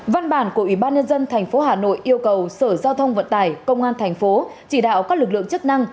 văn bản của ủy ban nhân dân tp hà nội yêu cầu sở giao thông vận tải công an thành phố chỉ đạo các lực lượng chức năng